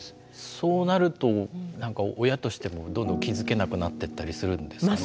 そうなるとなんか親としてもどんどん気付けなくなってったりするんですかね。